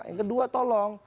yang kedua tolong